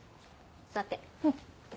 座って。